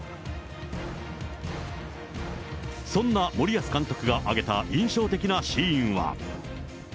そんな森保監督が挙げた印象的なシーンは。